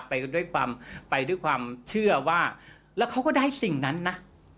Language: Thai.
ไปด้วยความเชื่อและเขาก็ได้สิ่งนั้นนะ